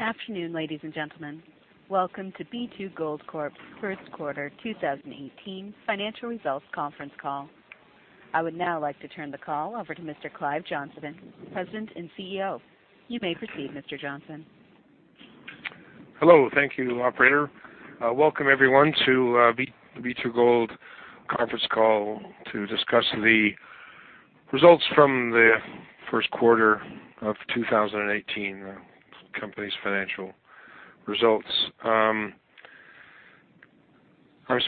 Afternoon, ladies and gentlemen. Welcome to B2Gold Corp's first quarter 2018 financial results conference call. I would now like to turn the call over to Mr. Clive Johnson, President and CEO. You may proceed, Mr. Johnson. Hello. Thank you, operator. Welcome everyone to B2Gold conference call to discuss the results from the first quarter of 2018, the company's financial results. I'm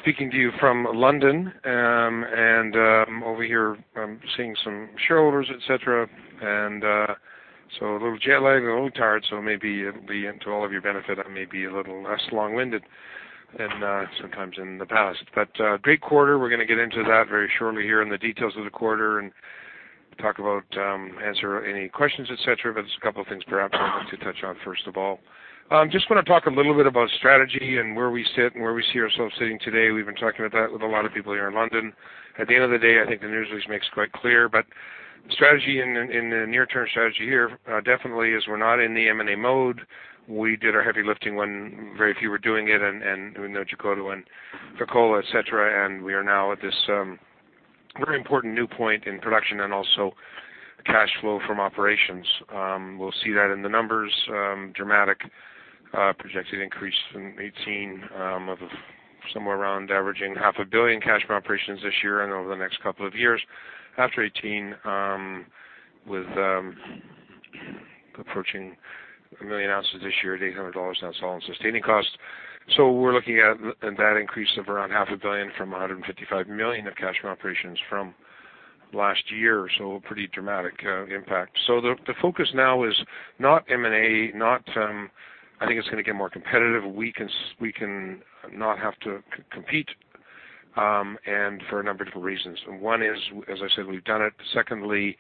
speaking to you from London, I'm over here, I'm seeing some shareholders, et cetera. A little jet lagged, a little tired, so maybe it'll be to all of your benefit, I may be a little less long-winded than sometimes in the past. Great quarter. We're going to get into that very shortly here and the details of the quarter, and talk about, answer any questions, et cetera. There's a couple of things perhaps I want to touch on first of all. I just want to talk a little bit about strategy and where we sit and where we see ourselves sitting today. We've been talking about that with a lot of people here in London. At the end of the day, I think the news release makes quite clear, strategy in the near-term strategy here, definitely is we're not in the M&A mode. We did our heavy lifting when very few were doing it, and we know Jabali and Fekola, et cetera, and we are now at this very important new point in production and also cash flow from operations. We'll see that in the numbers, dramatic, projected increase in 2018, of somewhere around averaging half a billion cash from operations this year and over the next couple of years. After 2018, with approaching 1 million ounces this year at $800 on all-in sustaining costs. We're looking at that increase of around half a billion from $155 million of cash from operations from last year. Pretty dramatic impact. The focus now is not M&A, I think it's going to get more competitive. We can not have to compete, and for a number of different reasons. One is, as I said, we've done it. Secondly,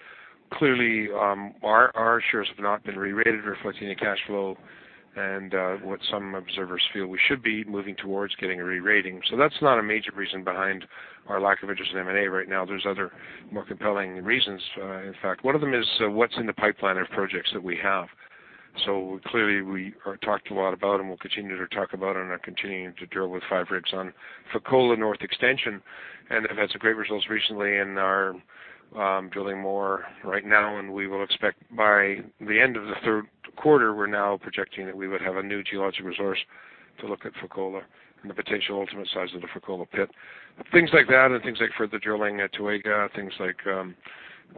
clearly, our shares have not been re-rated reflecting the cash flow and what some observers feel we should be moving towards getting a re-rating. That's not a major reason behind our lack of interest in M&A right now. There's other more compelling reasons, in fact. One of them is what's in the pipeline of projects that we have. Clearly we talked a lot about, and we'll continue to talk about and are continuing to drill with five rigs on Fekola North Extension, and have had some great results recently and are drilling more right now, and we will expect by the end of the third quarter, we're now projecting that we would have a new geological resource to look at Fekola and the potential ultimate size of the Fekola pit. Things like that and things like further drilling at Aureus, things like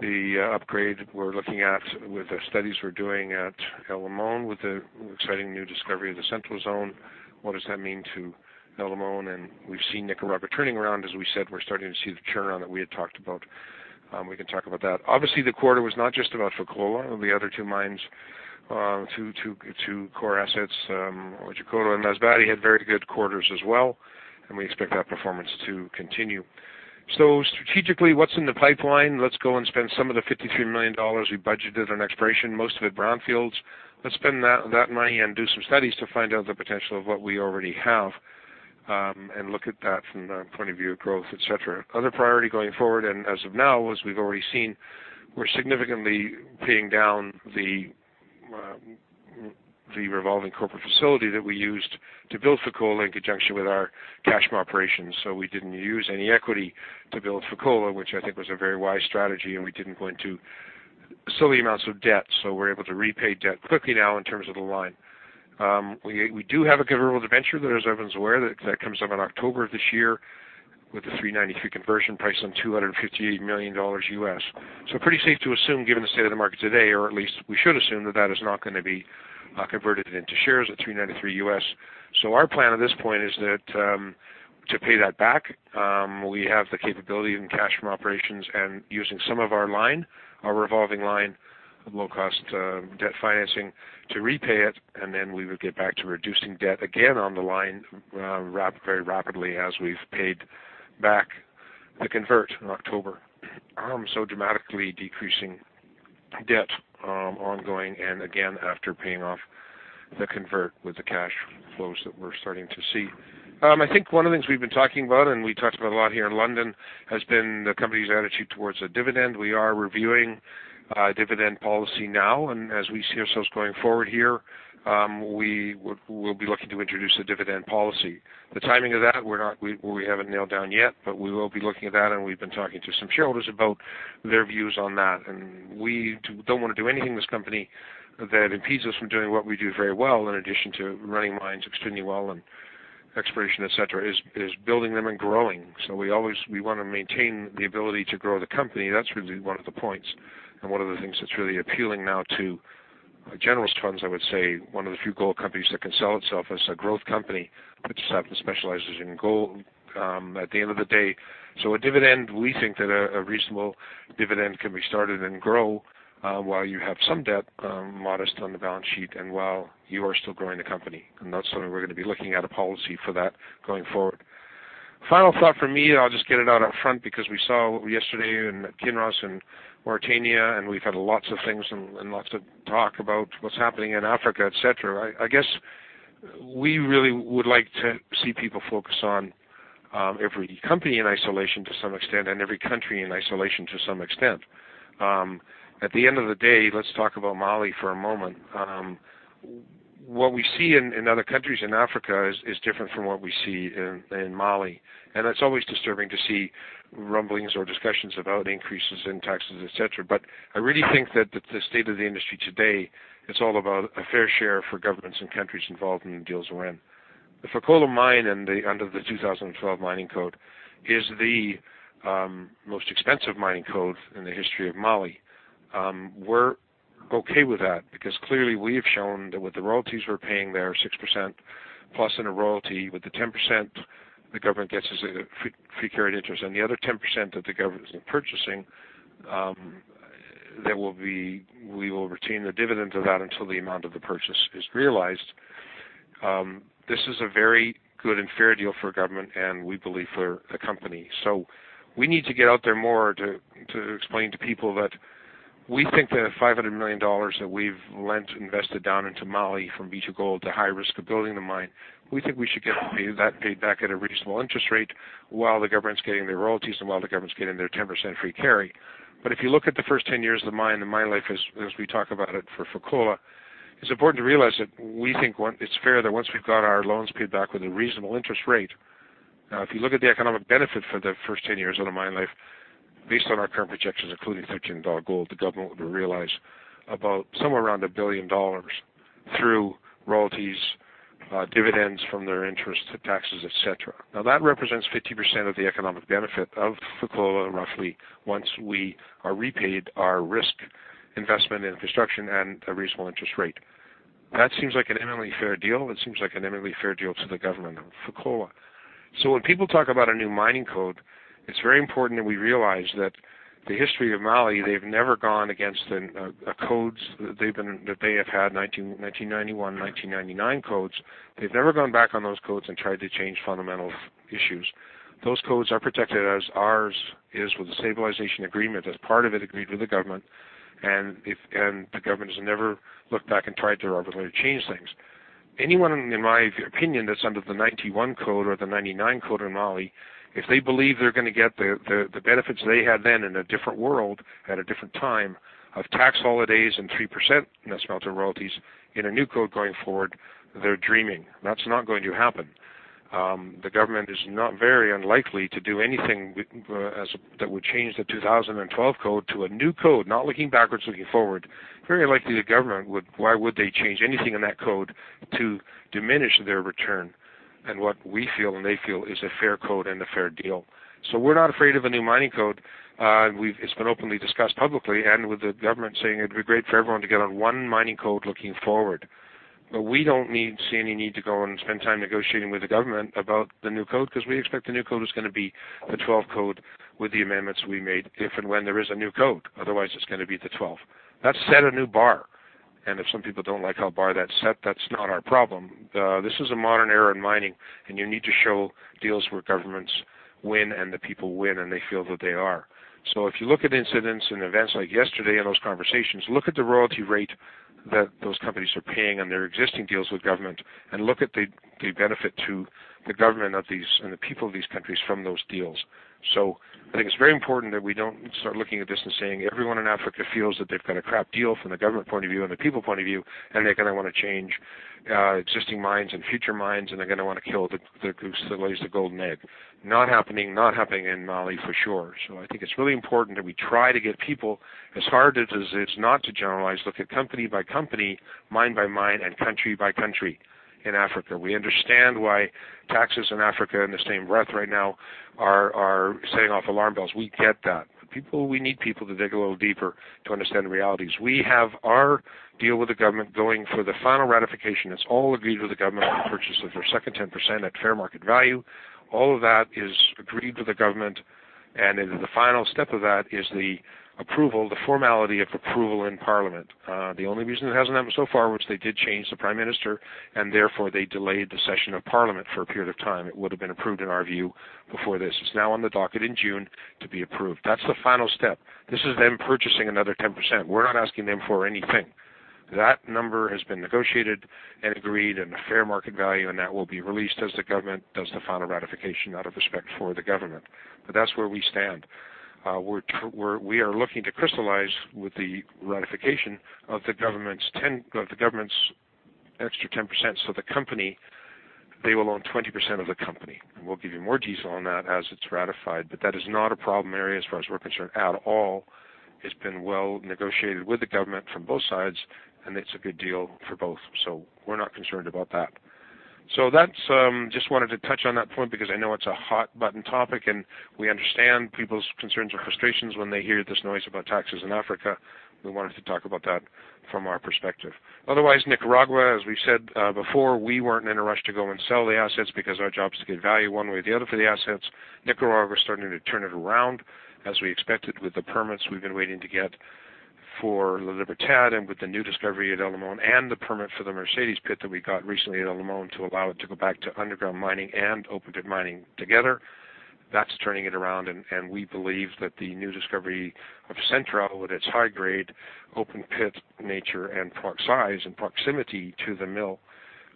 the upgrade we're looking at with the studies we're doing at El Limon with the exciting new discovery of the Central Zone. What does that mean to El Limon? We've seen Nicaragua turning around, as we said, we're starting to see the turnaround that we had talked about. We can talk about that. Obviously, the quarter was not just about Fekola or the other two mines, two core assets, Jabali and Masbate had very good quarters as well, and we expect that performance to continue. Strategically, what's in the pipeline? Let's go and spend some of the $53 million we budgeted on exploration, most of it brownfields. Let's spend that money and do some studies to find out the potential of what we already have, and look at that from the point of view of growth, et cetera. Other priority going forward, and as of now, as we've already seen, we're significantly paying down the revolving corporate facility that we used to build Fekola in conjunction with our cash from operations. We didn't use any equity to build Fekola, which I think was a very wise strategy, and we didn't go into silly amounts of debt, so we're able to repay debt quickly now in terms of the line. We do have a convertible venture that as everyone's aware that comes up in October of this year with a $3.93 conversion price on $258 million. Pretty safe to assume, given the state of the market today, or at least we should assume that that is not going to be converted into shares at $3.93. Our plan at this point is that, to pay that back, we have the capability and cash from operations and using some of our line, our revolving line of low-cost debt financing to repay it, and then we would get back to reducing debt again on the line very rapidly as we've paid back the convert in October. Dramatically decreasing debt ongoing and again after paying off the convert with the cash flows that we're starting to see. I think one of the things we've been talking about, and we talked about a lot here in London, has been the company's attitude towards a dividend. We are reviewing a dividend policy now, and as we see ourselves going forward here, we'll be looking to introduce a dividend policy. The timing of that, we haven't nailed down yet, but we will be looking at that and we've been talking to some shareholders about their views on that. We don't want to do anything in this company that impedes us from doing what we do very well, in addition to running mines extremely well and exploration, et cetera, is building them and growing. We want to maintain the ability to grow the company. That's really one of the points and one of the things that's really appealing now to generalist funds, I would say, one of the few gold companies that can sell itself as a growth company, but just happen to specializes in gold, at the end of the day. A dividend, we think that a reasonable dividend can be started and grow, while you have some debt, modest on the balance sheet, and while you are still growing the company. That's why we're going to be looking at a policy for that going forward. Final thought from me, I'll just get it out up front because we saw yesterday in Kinross and Mauritania, and we've had lots of things and lots of talk about what's happening in Africa, et cetera. I guess we really would like to see people focus on every company in isolation to some extent and every country in isolation to some extent. At the end of the day, let's talk about Mali for a moment. What we see in other countries in Africa is different from what we see in Mali, and it's always disturbing to see rumblings or discussions about increases in taxes, et cetera. I really think that the state of the industry today, it's all about a fair share for governments and countries involved in the deals we're in. The Fekola mine under the 2012 Mining Code is the most expensive mining code in the history of Mali. We're okay with that because clearly we have shown that with the royalties we're paying there, 6% plus in a royalty, with the 10% the government gets as a free carried interest, and the other 10% that the government is purchasing, we will retain the dividend of that until the amount of the purchase is realized. This is a very good and fair deal for government, and we believe for the company. We need to get out there more to explain to people that we think the $500 million that we've lent, invested down into Mali from B2Gold to high risk of building the mine, we think we should get that paid back at a reasonable interest rate while the government's getting their royalties and while the government's getting their 10% free carry. If you look at the first 10 years of the mine, the mine life, as we talk about it for Fekola, it's important to realize that we think it's fair that once we've got our loans paid back with a reasonable interest rate, if you look at the economic benefit for the first 10 years of the mine life, based on our current projections, including $1,300 gold, the government will realize about somewhere around $1 billion through royalties, dividends from their interest, taxes, et cetera. That represents 50% of the economic benefit of Fekola, roughly, once we are repaid our risk investment in construction and a reasonable interest rate. That seems like an eminently fair deal. It seems like an eminently fair deal to the government of Fekola. When people talk about a new mining code, it's very important that we realize that the history of Mali, they've never gone against the codes that they have had, 1991, 1999 codes. They've never gone back on those codes and tried to change fundamental issues. Those codes are protected as ours is with the stabilization agreement, as part of it agreed with the government. The government has never looked back and tried to arbitrarily change things. Anyone, in my opinion, that's under the '91 code or the '99 code in Mali, if they believe they're going to get the benefits they had then in a different world at a different time of tax holidays and 3% smelter royalties in a new code going forward, they're dreaming. That's not going to happen. The government is not very unlikely to do anything that would change the 2012 Mining Code to a new code, not looking backwards, looking forward. Very unlikely the government would. Why would they change anything in that code to diminish their return and what we feel and they feel is a fair code and a fair deal? We're not afraid of a new mining code. It's been openly discussed publicly and with the government saying it'd be great for everyone to get on one mining code looking forward. We don't see any need to go and spend time negotiating with the government about the new code because we expect the new code is going to be the 2012 Mining Code with the amendments we made, if and when there is a new code. Otherwise, it's going to be the 2012. That set a new bar, and if some people don't like how bar that's set, that's not our problem. This is a modern era in mining, and you need to show deals where governments win and the people win, and they feel that they are. If you look at incidents and events like yesterday and those conversations, look at the royalty rate that those companies are paying on their existing deals with government and look at the benefit to the government and the people of these countries from those deals. I think it's very important that we don't start looking at this and saying everyone in Africa feels that they've got a crap deal from the government point of view and the people point of view, and they're going to want to change existing mines and future mines, and they're going to want to kill the goose that lays the golden egg. Not happening. Not happening in Mali, for sure. I think it's really important that we try to get people, as hard as it is not to generalize, look at company by company, mine by mine, and country by country in Africa. We understand why taxes in Africa in the same breath right now are setting off alarm bells. We get that. We need people to dig a little deeper to understand the realities. We have our deal with the government going for the final ratification. It is all agreed with the government on the purchase of their second 10% at fair market value. All of that is agreed with the government, in the final step of that is the approval, the formality of approval in Parliament. The only reason it has not happened so far, which they did change the Prime Minister, therefore they delayed the session of Parliament for a period of time. It would have been approved, in our view, before this. It is now on the docket in June to be approved. That is the final step. This is them purchasing another 10%. We are not asking them for anything. That number has been negotiated and agreed in a fair market value, that will be released as the government does the final ratification out of respect for the government. That is where we stand. We are looking to crystallize with the ratification of the government's extra 10%, the company, they will own 20% of the company. We will give you more detail on that as it is ratified, but that is not a problem area as far as we are concerned at all. It has been well negotiated with the government from both sides, it is a good deal for both. We are not concerned about that. Just wanted to touch on that point because I know it is a hot button topic, we understand people's concerns or frustrations when they hear this noise about taxes in Africa. We wanted to talk about that from our perspective. Otherwise, Nicaragua, as we have said before, we were not in a rush to go and sell the assets because our job is to get value one way or the other for the assets. Nicaragua is starting to turn it around, as we expected, with the permits we have been waiting to get for La Libertad with the new discovery at El Limon and the permit for the Mercedes pit that we got recently at El Limon to allow it to go back to underground mining and open pit mining together. That is turning it around, we believe that the new discovery of Central with its high grade, open pit nature, and size and proximity to the mill,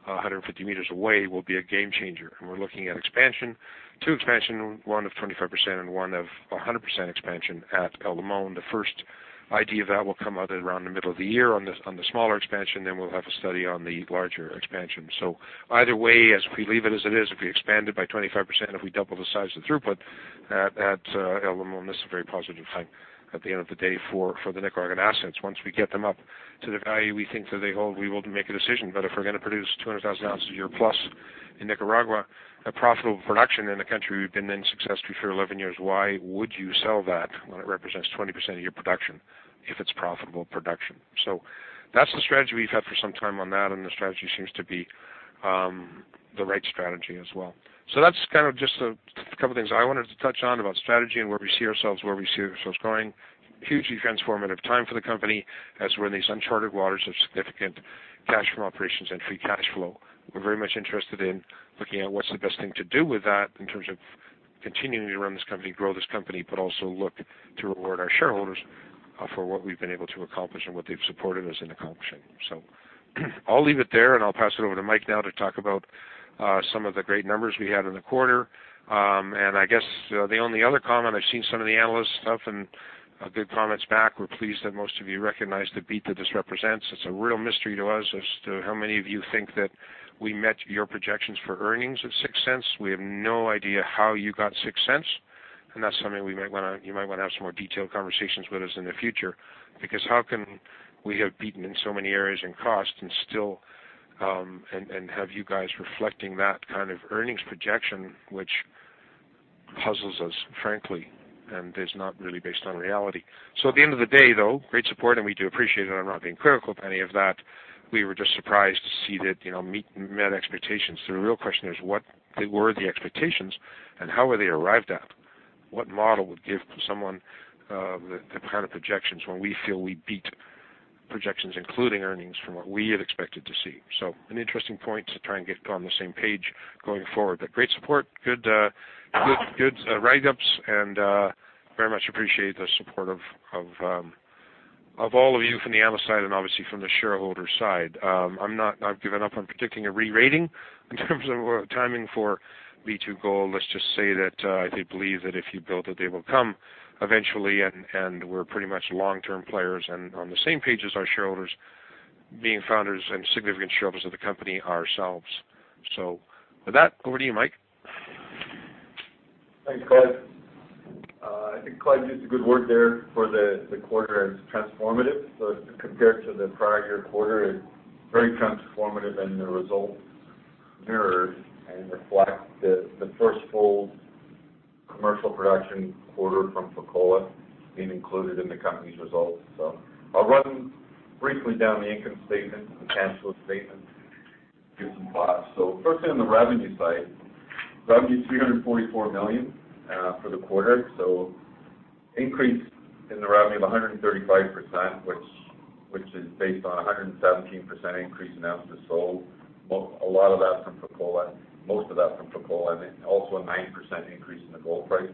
150 meters away, will be a game changer. We are looking at expansion, two expansion, one of 25% and one of 100% expansion at El Limon. The first idea of that will come out at around the middle of the year on the smaller expansion, we will have a study on the larger expansion. Either way, as we leave it as it is, if we expand it by 25%, if we double the size of throughput at El Limon, this is a very positive thing at the end of the day for the Nicaraguan assets. Once we get them up to the value we think that they hold, we will make a decision, but if we are going to produce 200,000 ounces a year plus in Nicaragua, a profitable production in a country we have been in successfully for 11 years, why would you sell that when it represents 20% of your production if it is profitable production? That is the strategy we have had for some time on that, the strategy seems to be the right strategy as well. That is just a couple of things I wanted to touch on about strategy and where we see ourselves growing. Hugely transformative time for the company, as we're in these uncharted waters of significant cash from operations and free cash flow. We're very much interested in looking at what's the best thing to do with that in terms of continuing to run this company, grow this company, but also look to reward our shareholders for what we've been able to accomplish and what they've supported us in accomplishing. I'll leave it there, and I'll pass it over to Mike now to talk about some of the great numbers we had in the quarter. I guess the only other comment, I've seen some of the analyst stuff and good comments back. We're pleased that most of you recognize the beat that this represents. It's a real mystery to us as to how many of you think that we met your projections for earnings of $0.06. We have no idea how you got $0.06, that's something you might want to have some more detailed conversations with us in the future, because how can we have beaten in so many areas in cost and have you guys reflecting that kind of earnings projection, which puzzles us, frankly, and is not really based on reality. At the end of the day, though, great support and we do appreciate it. I'm not being critical of any of that. We were just surprised to see that met expectations. The real question is what were the expectations and how were they arrived at? What model would give someone the kind of projections when we feel we beat projections, including earnings from what we had expected to see? An interesting point to try and get on the same page going forward, great support, good write-ups and very much appreciate the support of all of you from the analyst side and obviously from the shareholder side. I've given up on predicting a re-rating in terms of timing for B2Gold. Let's just say that I do believe that if you build it, they will come eventually, we're pretty much long-term players and on the same page as our shareholders, being founders and significant shareholders of the company ourselves. With that, over to you, Mike. Thanks, Clive. I think Clive used a good word there for the quarter as transformative. Compared to the prior year quarter, it's very transformative, the results mirrored and reflect the first full commercial production quarter from Fekola being included in the company's results. I'll run briefly down the income statement and the cash flow statement, give some thoughts. Firstly, on the revenue side, revenue $344 million for the quarter. Increase in the revenue of 135%, which is based on 117% increase in ounces sold, a lot of that from Fekola, most of that from Fekola, also a 9% increase in the gold price.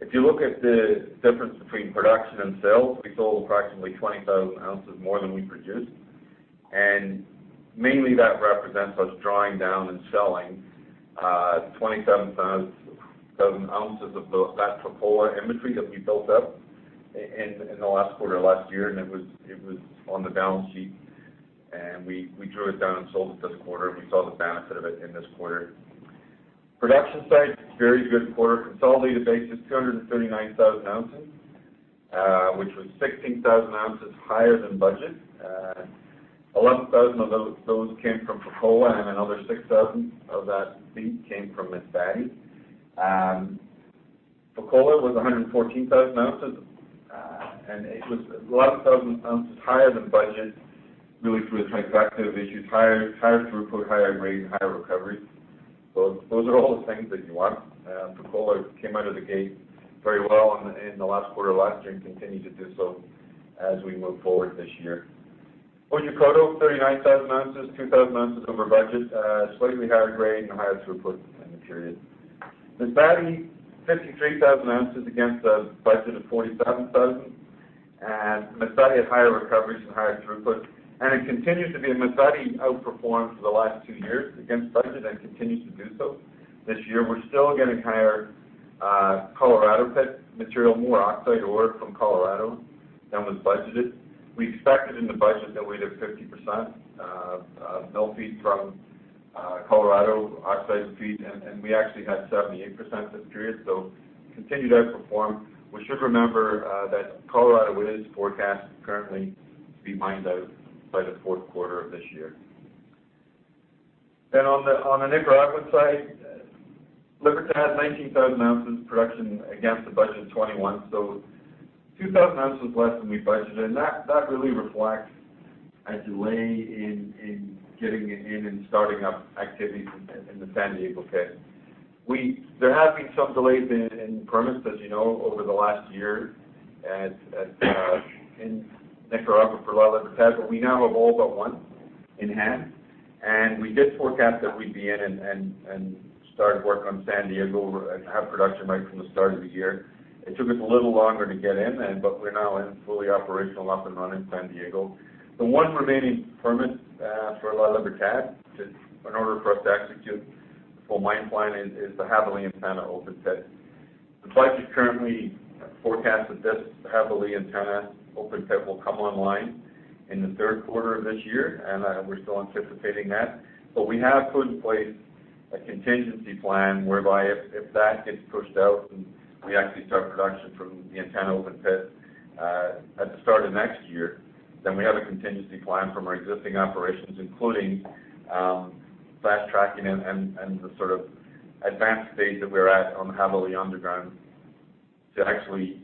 If you look at the difference between production and sales, we sold approximately 20,000 ounces more than we produced. Mainly that represents us drawing down and selling 27,000 ounces of that Fekola inventory that we built up in the last quarter of last year. It was on the balance sheet. We drew it down and sold it this quarter. We saw the benefit of it in this quarter. Production side, very good quarter. Consolidated basis, 239,000 ounces, which was 16,000 ounces higher than budget. 11,000 of those came from Fekola. Another 6,000 of that feed came from Masbate. Fekola was 114,000 ounces. It was 11,000 ounces higher than budget, really through a trifecta of issues, higher throughput, higher grade, and higher recoveries. Those are all the things that you want. Fekola came out of the gate very well in the last quarter of last year and continued to do so as we move forward this year. Otjikoto, 39,000 ounces, 2,000 ounces over budget, slightly higher grade and higher throughput in the period. Masbate, 53,000 ounces against a budget of 47,000. Masbate had higher recoveries and higher throughput. It continues to be Masbate outperformed for the last two years against budget and continues to do so this year. We're still getting higher Colorado pit material, more oxide ore from Colorado than was budgeted. We expected in the budget that we'd have 50% mill feed from Colorado, oxide feed. We actually had 78% this period, continued to outperform. We should remember that Colorado is forecast currently to be mined out by the fourth quarter of this year. On the Nicaragua side, Libertad, 19,000 ounces production against a budget of 21. 2,000 ounces less than we budgeted. That really reflects a delay in getting in and starting up activities in the San Diego pit. There have been some delays in permits, as you know, over the last year in Nicaragua for La Libertad. We now have all but one in hand. We did forecast that we'd be in and start work on San Diego and have production right from the start of the year. It took us a little longer to get in. We're now in fully operational, up and running San Diego. The one remaining permit for La Libertad, in order for us to execute a full mine plan, is the Jabali Antenna open pit. The plan is currently forecast that this Jabali Antenna open pit will come online in the third quarter of this year. We're still anticipating that. We have put in place a contingency plan whereby if that gets pushed out, we actually start production from the Antenna open pit at the start of next year. We have a contingency plan from our existing operations, including fast tracking and the sort of advanced stage that we're at on the Jabali underground to actually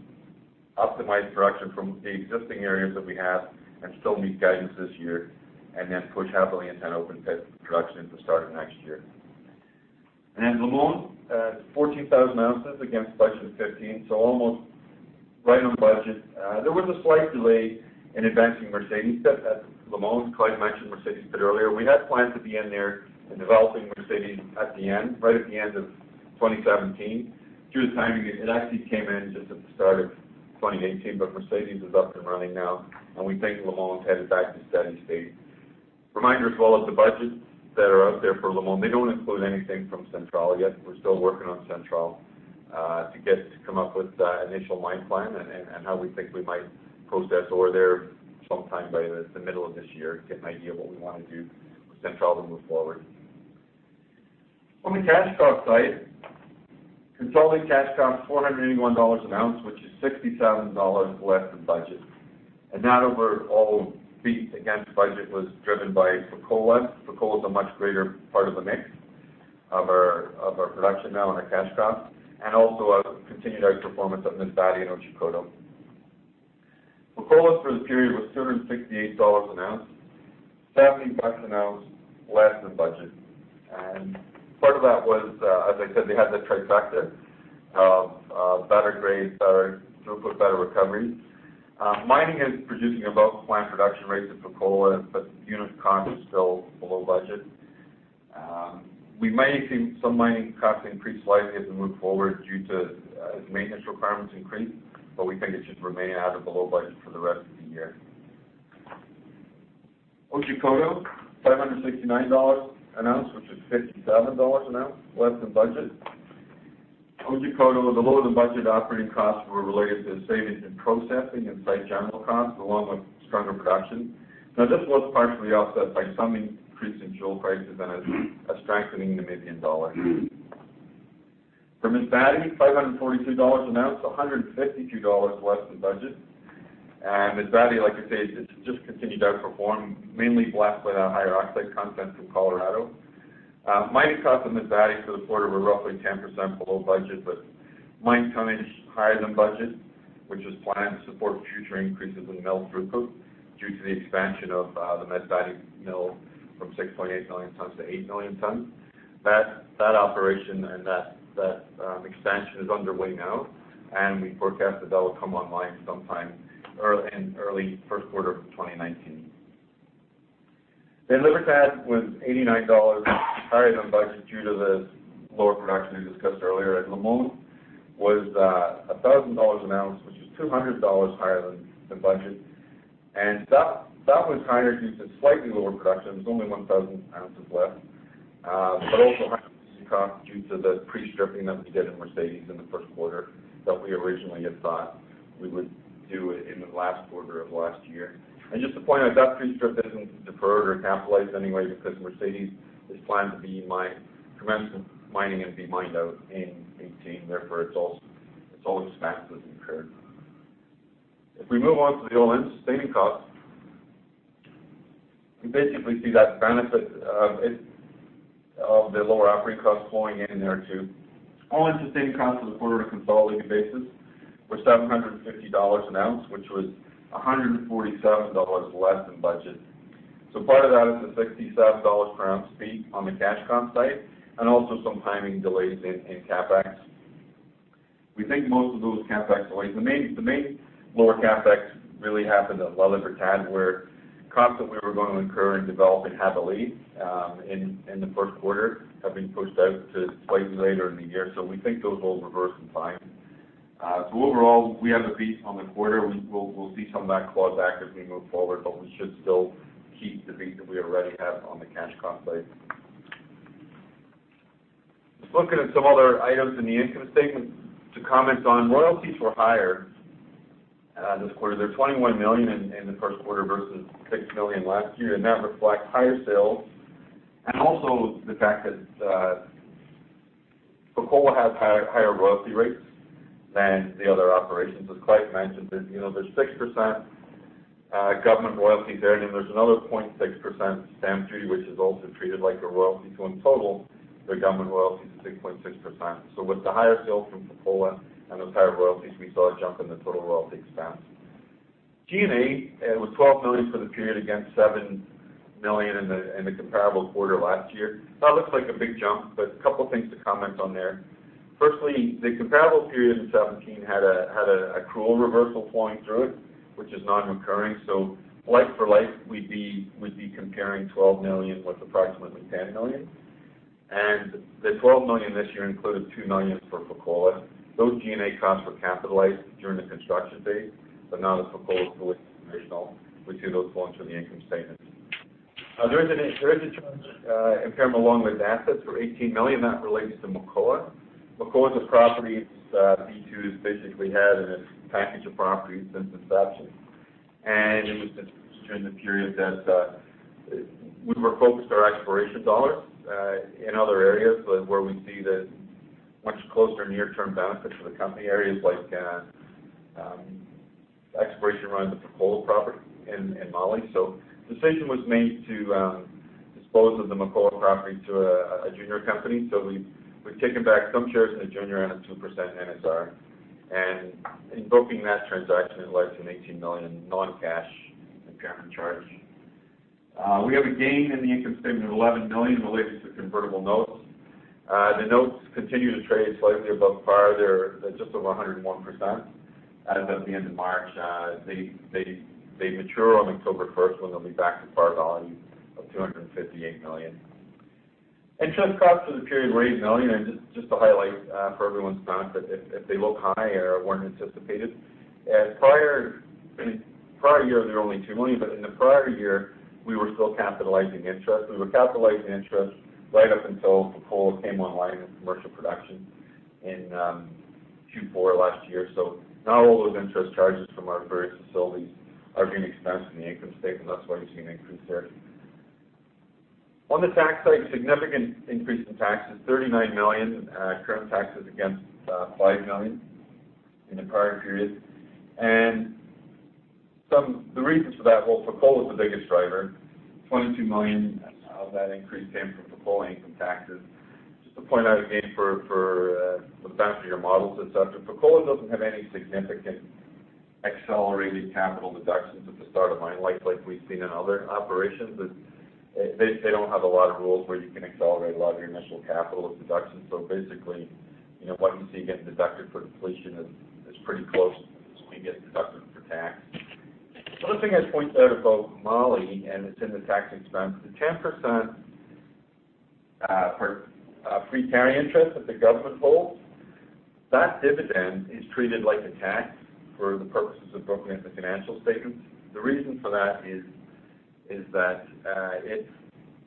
optimize production from the existing areas that we have and still meet guidance this year. Push Jabali Antenna open pit production at the start of next year. Limon, 14,000 ounces against budget of 15,000, almost right on budget. There was a slight delay in advancing Mercedes at Limon. Clive mentioned Mercedes a bit earlier. We had planned to be in there and developing Mercedes right at the end of 2017. Due to timing, it actually came in just at the start of 2018, but Mercedes is up and running now and we think El Limon's headed back to steady state. Reminder as well that the budgets that are out there for El Limon, they don't include anything from Central yet. We're still working on Central to come up with an initial mine plan and how we think we might process ore there sometime by the middle of this year, get an idea of what we want to do with Central to move forward. On the cash cost side, consolidated cash cost $481 an ounce, which is $60 less than budget. That overall beat against budget was driven by Fekola. Fekola is a much greater part of the mix of our production now and our cash cost, and also a continued outperformance of Masbate and Otjikoto. Fekola for the period was $268 an ounce, $70 an ounce less than budget. Part of that was, as I said, they had the trifecta of better grades, better throughput, better recovery. Mining is producing above planned production rates at Fekola, but unit cost is still below budget. We may see some mining costs increase slightly as we move forward due to maintenance requirements increase, but we think it should remain out of below budget for the rest of the year. Otjikoto, $769 an ounce, which is $57 an ounce less than budget. Otjikoto, the lower than budget operating costs were related to savings in processing and site general costs, along with stronger production. Now, this was partially offset by some increase in fuel prices and a strengthening Namibian dollar. For Masbate, $542 an ounce, so $152 less than budget. Masbate, like I say, has just continued to outperform, mainly blessed by that higher oxide content from saprolite. Mine costs in Masbate for the quarter were roughly 10% below budget, but mine tonnage higher than budget, which is planned to support future increases in mill throughput due to the expansion of the Masbate mill from 6.8 million tons to eight million tons. That operation and that expansion is underway now, and we forecast that that will come online sometime in early first quarter of 2019. La Libertad was $89 higher than budget due to the lower production we discussed earlier, and El Limon was $1,000 an ounce, which is $200 higher than budget. That was higher due to slightly lower production. It was only 1,000 ounces less, but also higher processing costs due to the pre-stripping that we did in Mercedes in the first quarter that we originally had thought we would do in the last quarter of last year. Just to point out, that pre-strip isn't deferred or capitalized anyway because Mercedes is planned to commence mining and be mined out in 2018. Therefore, it's all expenses incurred. If we move on to the all-in sustaining costs, we basically see that benefit of the lower operating costs flowing in there too. All-in sustaining costs for the quarter on a consolidated basis were $750 an ounce, which was $147 less than budget. So part of that is the $60 per ounce feat on the cash cost side and also some timing delays in CapEx. We think most of those CapEx delays, the main lower CapEx really happened at La Libertad, where costs that we were going to incur in developing [Haverly] in the first quarter have been pushed out to slightly later in the year. We think those will reverse in time. Overall, we have a beat on the quarter. We'll see some of that claw back as we move forward, but we should still keep the beat that we already have on the cash cost side. Just looking at some other items in the income statement to comment on. Royalties were higher this quarter. They're $21 million in the first quarter versus $6 million last year, and that reflects higher sales and also the fact that Fekola has higher royalty rates than the other operations. As Clive mentioned, there's 6% government royalties there, and then there's another 0.6% stamp duty, which is also treated like a royalty. In total, the government royalty is 6.6%. With the higher sales from Fekola and those higher royalties, we saw a jump in the total royalty expense. G&A, it was $12 million for the period against $7 million in the comparable quarter last year. That looks like a big jump, but a couple of things to comment on there. Firstly, the comparable period in 2017 had an accrual reversal flowing through it, which is non-recurring. Like for like, we'd be comparing $12 million with approximately $10 million. The $12 million this year included $2 million for Fekola. Those G&A costs were capitalized during the construction phase, but now that Fekola is fully operational, we see those flowing through the income statement. There is a charge, impairment along with assets for $18 million that relates to Mukula. Mukula is a property B2 basically had in its package of properties since inception. It was during the period that we were focused our exploration dollars in other areas where we see the much closer near-term benefit to the company, areas like exploration around the Fekola property in Mali. The decision was made to dispose of the Mukula property to a junior company. We've taken back some shares in a junior and a 2% NSR. In booking that transaction, it led to an $18 million non-cash impairment charge. We have a gain in the income statement of $11 million related to convertible notes. The notes continue to trade slightly above par. They're just over 101% as at the end of March. They mature on October 1st when they'll be back to par value of $258 million. Interest costs for the period were $8 million, and just to highlight for everyone's benefit, if they look high or weren't anticipated. In prior years, they were only $2 million, but in the prior year, we were still capitalizing interest. We were capitalizing interest right up until Fekola came online in commercial production in Q4 last year. Now all those interest charges from our various facilities are being expensed in the income statement. That's why you're seeing an increase there. On the tax side, significant increase in taxes, $39 million current taxes against $5 million in the prior period. The reasons for that, well, Fekola is the biggest driver. $22 million of that increase came from Fekola income taxes. Just to point out again for the fact of your models, et cetera, Fekola doesn't have any significant accelerated capital deductions at the start of mine life like we've seen in other operations. They don't have a lot of rules where you can accelerate a lot of your initial capital of deductions. Basically, what you see getting deducted for depletion is pretty close to what you get deducted for tax. The other thing I'd point out about Mali, and it's in the tax expense, the 10% pre-carry interest that the government holds, that dividend is treated like a tax for the purposes of booking it in the financial statements. The reason for that is that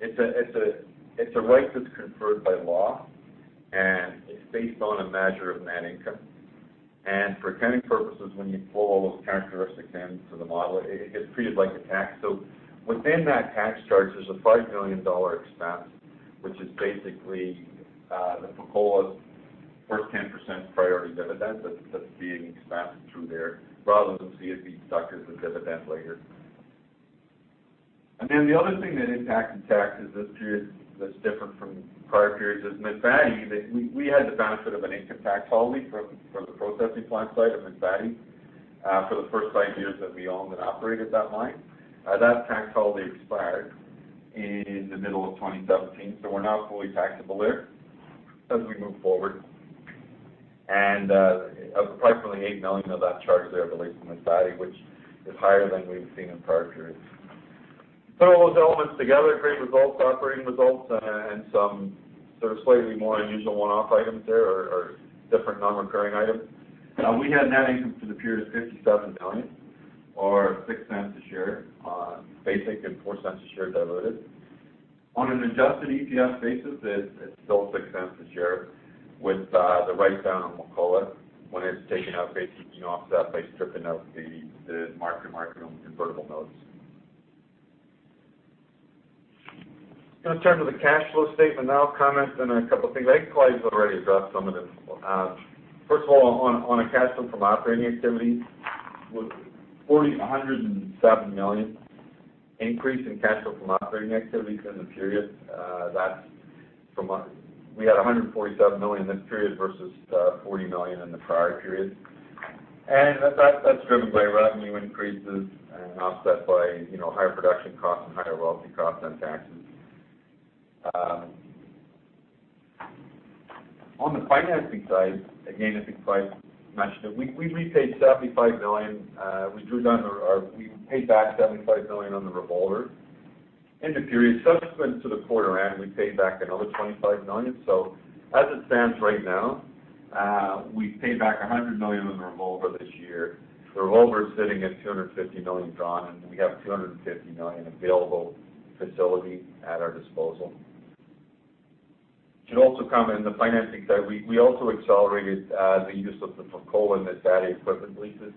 it's a right that's conferred by law, and it's based on a measure of net income. For accounting purposes, when you pull all those characteristics in for the model, it gets treated like a tax. Within that tax charge, there's a $5 million expense, which is basically the Fekola's first 10% priority dividend that's being expensed through there, rather than see it be deducted as a dividend later. Then the other thing that impacted tax this period that's different from prior periods is Masbate. We had the benefit of an income tax holiday for the processing plant site of Masbate for the first five years that we owned and operated that mine. That tax holiday expired in the middle of 2017. We're now fully taxable there as we move forward. Approximately $8 million of that charge there relates to Masbate, which is higher than we've seen in prior periods. Put all those elements together, great results, operating results, and some sort of slightly more unusual one-off items there or different non-recurring items. We had net income for the period of $57 million or $0.06 a share on basic and $0.04 a share diluted. On an adjusted EPS basis, it's still $0.06 a share with the write-down on Mukula when it's taken out, basically, you know, offset by stripping out the mark-to-market on convertible notes. Going to turn to the cash flow statement now, comment on a couple of things. I think Clive's already addressed some of this. First of all, on a cash flow from operating activities, with a $107 million increase in cash flow from operating activities in the period. We had $147 million this period versus $40 million in the prior period. That's driven by revenue increases and offset by higher production costs and higher royalty costs and taxes. On the financing side, again, I think Clive mentioned it, we repaid $75 million. We paid back $75 million on the revolver in the period. Subsequent to the quarter end, we paid back another $25 million. As it stands right now, we've paid back $100 million on the revolver this year. The revolver is sitting at $250 million drawn, and we have $250 million available facility at our disposal. Should also comment on the financing side, we also accelerated the use of the Fekola and Masbate equipment leases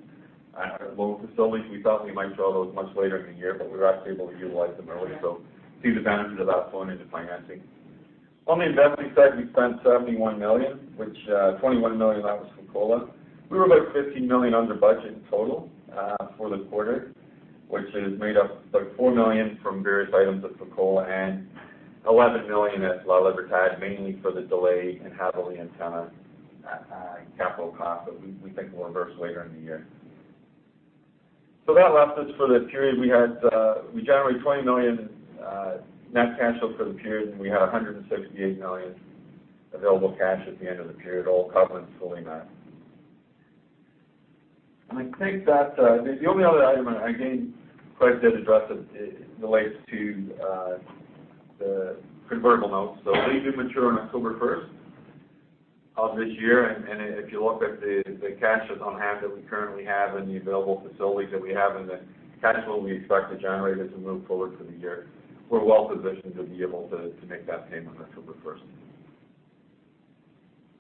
at both facilities. We thought we might draw those much later in the year, but we were actually able to utilize them early, so see the benefit of that flowing into financing. On the investing side, we spent $71 million, which $21 million of that was Fekola. We were about $15 million under budget in total for the quarter, which is made up like $4 million from various items at Fekola and $11 million at La Libertad, mainly for the delay in Jabali Antenna capital cost that we think we'll reverse later in the year. That left us for the period, we generated $20 million net cash flow for the period, and we had $168 million available cash at the end of the period, all covenants fully met. I think that the only other item, again, Clive did address it relates to the convertible notes. These do mature on October 1st of this year, if you look at the cash that's on hand that we currently have and the available facilities that we have and the cash flow we expect to generate as we move forward through the year, we're well positioned to be able to make that payment on October 1st.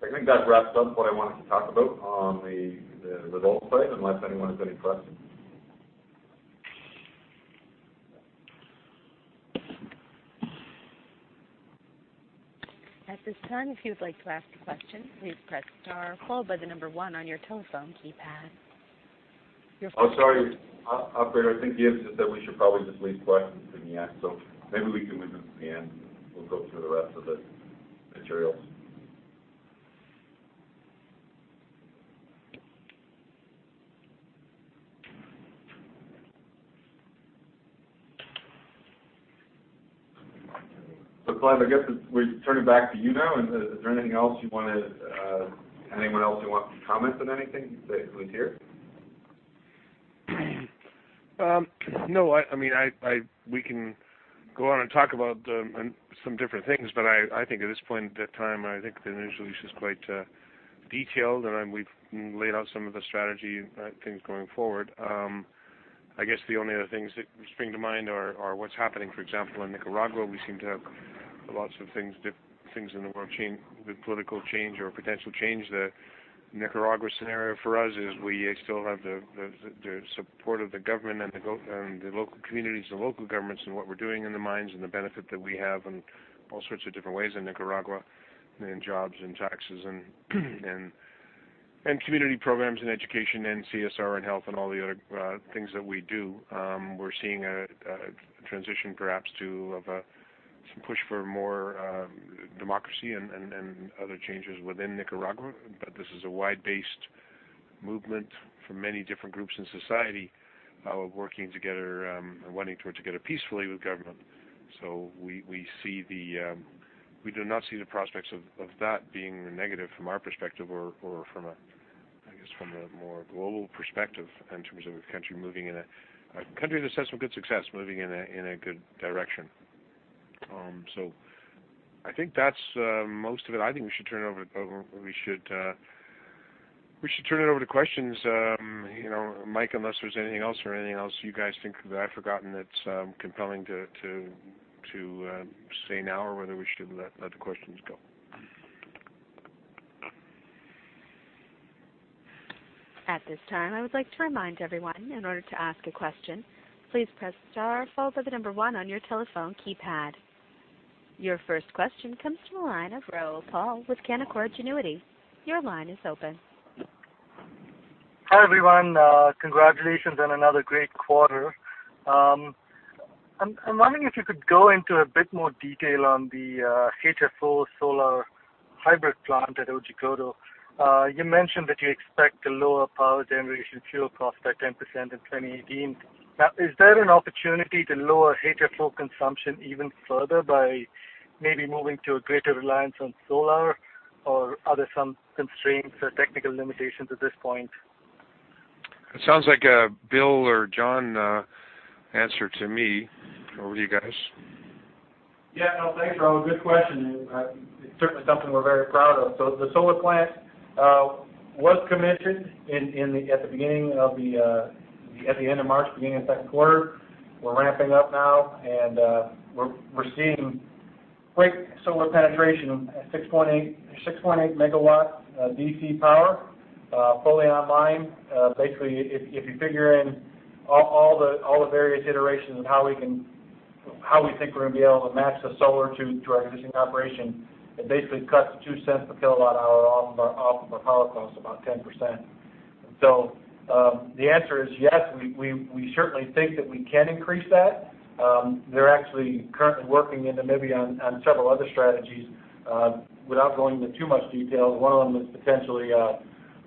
I think that wraps up what I wanted to talk about on the results slide, unless anyone has any questions. At this time, if you would like to ask a question, please press star followed by the number one on your telephone keypad. Sorry. Operator, I think Gibbs just said we should probably just leave questions to the end, maybe we can leave them to the end, we'll go through the rest of the materials. Clive, I guess we turn it back to you now. Is there anything else you wanted, anyone else who wants to comment on anything, basically here? No, we can go on and talk about some different things, I think at this point in time, I think the initial release is quite detailed. We've laid out some of the strategy things going forward. I guess the only other things that spring to mind are what's happening, for example, in Nicaragua. We seem to have lots of things in the world with political change or potential change. The Nicaragua scenario for us is we still have the support of the government and the local communities, the local governments, and what we're doing in the mines and the benefit that we have in all sorts of different ways in Nicaragua, in jobs, in taxes and community programs, in education, in CSR, in health, and all the other things that we do. We're seeing a transition, perhaps to have some push for more democracy and other changes within Nicaragua. This is a wide-based movement from many different groups in society working together and wanting to work together peacefully with government. We do not see the prospects of that being a negative from our perspective or from a more global perspective in terms of a country that's had some good success moving in a good direction. I think that's most of it. I think we should turn it over to questions, Mike, unless there's anything else or anything else you guys think that I've forgotten that's compelling to say now or whether we should let the questions go. At this time, I would like to remind everyone, in order to ask a question, please press star followed by the number 1 on your telephone keypad. Your first question comes from the line of Rahul Paul with Canaccord Genuity. Your line is open. Hi, everyone. Congratulations on another great quarter. I'm wondering if you could go into a bit more detail on the HFO solar hybrid plant at Otjikoto. You mentioned that you expect to lower power generation fuel costs by 10% in 2018. Is there an opportunity to lower HFO consumption even further by maybe moving to a greater reliance on solar? Are there some constraints or technical limitations at this point? It sounds like a Bill or Jon answer to me. Over to you guys. Yeah. No, thanks, Rahul. Good question. It's certainly something we're very proud of. The solar plant was commissioned at the end of March, beginning of second quarter. We're ramping up now, and we're seeing quick solar penetration at 6.8 MW DC power, fully online. Basically, if you figure in all the various iterations of how we think we're going to be able to match the solar to our existing operation, it basically cuts $0.02 per kWh off of our power costs, about 10%. The answer is yes, we certainly think that we can increase that. They're actually currently working in Namibia on several other strategies. Without going into too much detail, one of them is potentially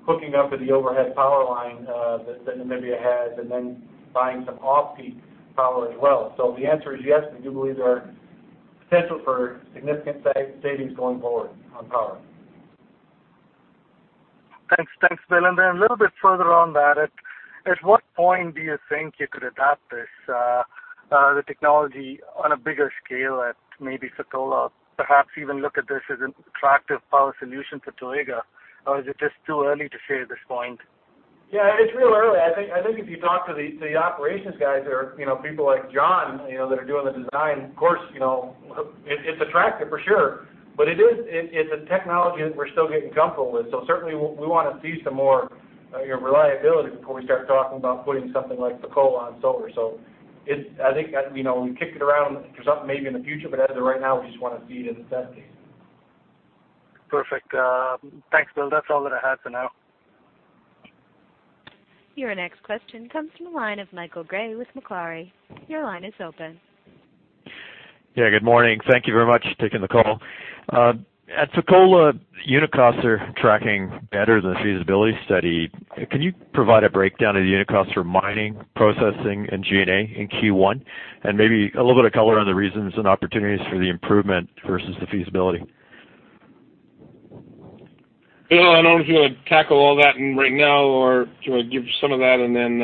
hooking up to the overhead power line that Namibia has and then buying some off-peak power as well. The answer is yes, we do believe there is potential for significant savings going forward on power. Thanks, Bill. A little bit further on that, at what point do you think you could adapt this, the technology, on a bigger scale at maybe Fekola, perhaps even look at this as an attractive power solution for Toega? Is it just too early to say at this point? It's real early. I think if you talk to the operations guys or people like Jon that are doing the design, of course, it's attractive for sure, but it's a technology that we're still getting comfortable with. Certainly, we want to see some more reliability before we start talking about putting something like Fekola on solar. I think we kick it around for something maybe in the future, but as of right now, we just want to see it in assessment. Perfect. Thanks, Bill. That's all that I had for now. Your next question comes from the line of Michael Gray with Macquarie. Your line is open. Good morning. Thank you very much for taking the call. At Fekola, unit costs are tracking better than the feasibility study. Can you provide a breakdown of the unit cost for mining, processing, and G&A in Q1? Maybe a little bit of color on the reasons and opportunities for the improvement versus the feasibility. Bill, I don't know if you want to tackle all that right now or do you want to give some of that and then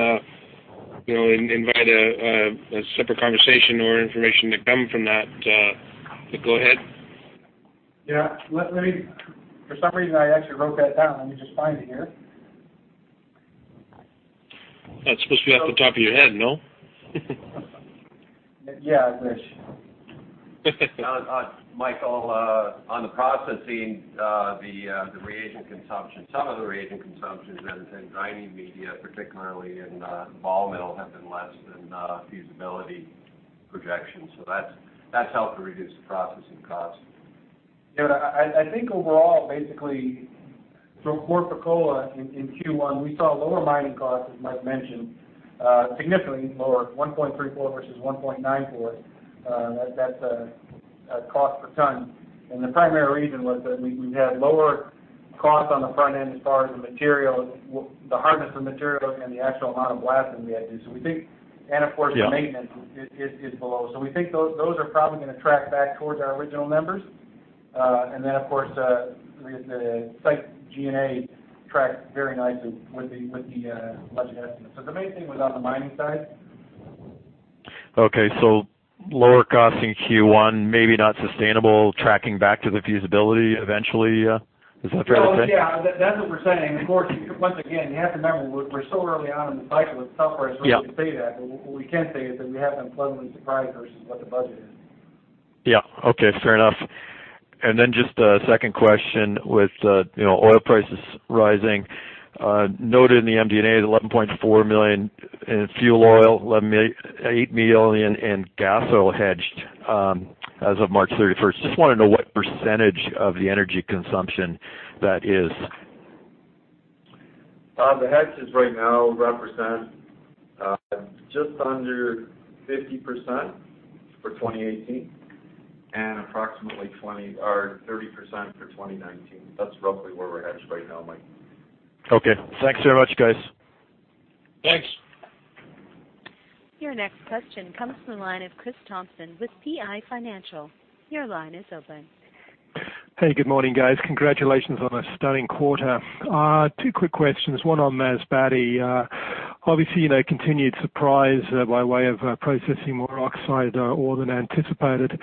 invite a separate conversation or information to come from that? Go ahead. Yeah. For some reason, I actually wrote that down. Let me just find it here. That's supposed to be off the top of your head, no? Yeah, I wish. Michael, on the processing, some of the reagent consumption and grinding media, particularly in ball mill, have been less than feasibility projections. That's helped to reduce the processing cost. I think overall, from core Fekola in Q1, we saw lower mining costs, as Mike mentioned, significantly lower, $1.34 versus $1.94. That's cost per ton. The primary reason was that we've had lower costs on the front end as far as the hardness of the material and the actual amount of blasting we had to do. We think. Yeah The maintenance is below. We think those are probably going to track back towards our original numbers. Then, of course, the site G&A tracks very nicely with the budget estimate. The main thing was on the mining side. Okay, lower cost in Q1, maybe not sustainable, tracking back to the feasibility eventually. Is that a fair thing? Yeah, that's what we're saying. Of course, once again, you have to remember, we're so early on in the cycle, it's tough for us- Yeah really to say that. What we can say is that we have been pleasantly surprised versus what the budget is. Yeah. Okay, fair enough. Then just a second question with oil prices rising. Noted in the MD&A, the $11.4 million in fuel oil, $8 million in gas oil hedged as of March 31st. Just want to know what percentage of the energy consumption that is. The hedges right now represent just under 50% for 2018 and approximately 30% for 2019. That's roughly where we're hedged right now, Mike. Okay. Thanks very much, guys. Thanks. Your next question comes from the line of Chris Thompson with PI Financial. Your line is open. Hey, good morning, guys. Congratulations on a stunning quarter. two quick questions, one on Masbate. Obviously, continued surprise by way of processing more oxide ore than anticipated.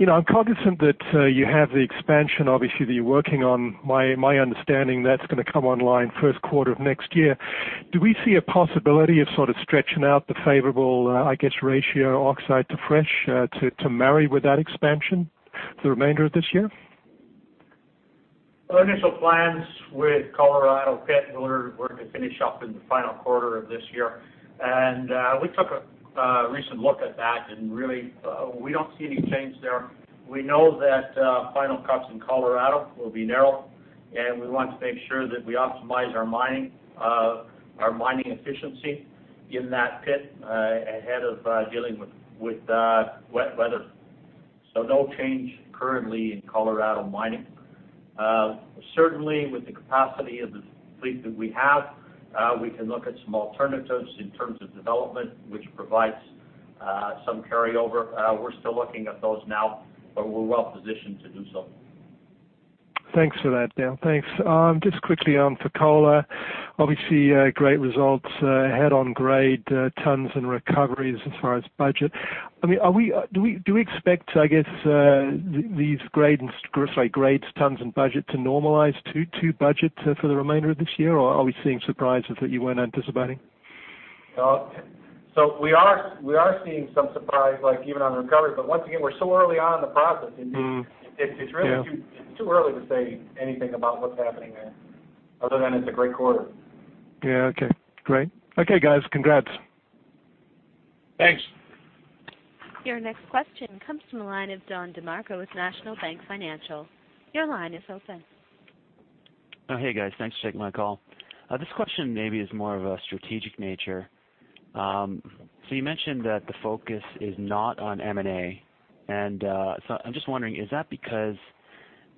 I'm cognizant that you have the expansion, obviously, that you're working on. My understanding, that's going to come online first quarter of next year. Do we see a possibility of sort of stretching out the favorable, I guess, ratio oxide to fresh to marry with that expansion the remainder of this year? Our initial plans with Colorado pit were to finish up in the final quarter of this year. We took a recent look at that, and really, we don't see any change there. We know that final cuts in Colorado will be narrow, and we want to make sure that we optimize our mining efficiency in that pit ahead of dealing with wet weather. No change currently in Colorado mining. Certainly with the capacity of the fleet that we have, we can look at some alternatives in terms of development, which provides some carryover. We're still looking at those now, but we're well positioned to do so. Thanks for that, Dale. Thanks. Just quickly on Fekola, obviously great results ahead on grade tons and recoveries as far as budget. Do we expect, I guess, these grades, tons, and budget to normalize to budget for the remainder of this year? Or are we seeing surprises that you weren't anticipating? We are seeing some surprise, like even on recovery. Once again, we're so early on in the process. Yeah. It's really too early to say anything about what's happening there, other than it's a great quarter. Yeah, okay. Great. Okay, guys. Congrats. Thanks. Your next question comes from the line of Don DeMarco with National Bank Financial. Your line is open. Oh, hey, guys. Thanks for taking my call. This question maybe is more of a strategic nature. You mentioned that the focus is not on M&A, I'm just wondering, is that because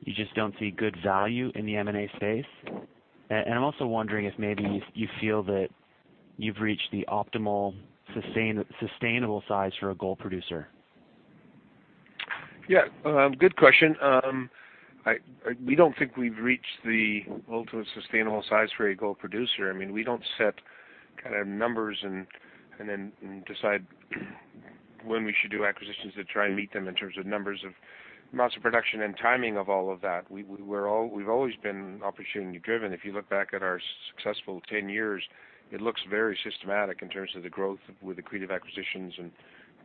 you just don't see good value in the M&A space? I'm also wondering if maybe you feel that you've reached the optimal, sustainable size for a gold producer. Yeah. Good question. We don't think we've reached the ultimate sustainable size for a gold producer. We don't set kind of numbers and then decide when we should do acquisitions to try and meet them in terms of numbers of amounts of production and timing of all of that. We've always been opportunity driven. If you look back at our successful 10 years, it looks very systematic in terms of the growth with accretive acquisitions and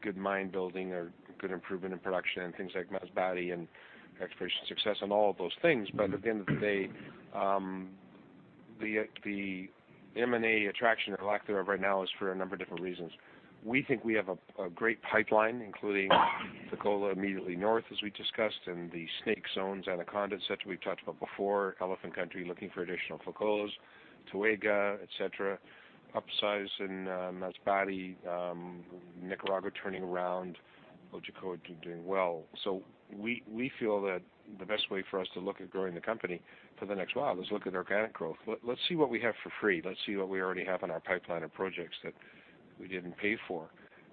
good mine building or good improvement in production and things like Masbate and exploration success and all of those things. At the end of the day. The M&A attraction or lack thereof right now is for a number of different reasons. We think we have a great pipeline, including Fekola immediately north, as we discussed, and the Anaconda Zone, Anaconda, et cetera, we've talked about before, Elephant Country, looking for additional Fekolas, Toega, et cetera, upsize in Masbate, Nicaragua turning around, Otjikoto doing well. We feel that the best way for us to look at growing the company for the next while is look at organic growth. Let's see what we have for free. Let's see what we already have in our pipeline of projects that we didn't pay for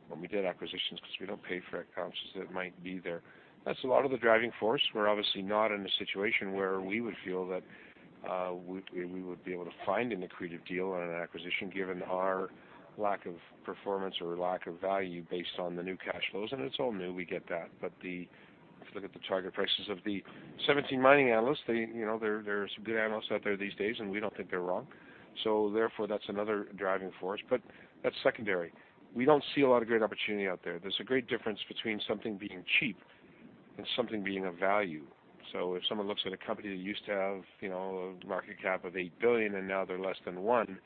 when we did acquisitions, because we don't pay for ounces that might be there. That's a lot of the driving force. We're obviously not in a situation where we would feel that we would be able to find an accretive deal on an acquisition given our lack of performance or lack of value based on the new cash flows, and it's all new, we get that. If you look at the target prices of the 17 mining analysts, there's some good analysts out there these days, and we don't think they're wrong. Therefore, that's another driving force. That's secondary. We don't see a lot of great opportunity out there. There's a great difference between something being cheap and something being of value. If someone looks at a company that used to have a market cap of $8 billion, and now they're less than $1 billion,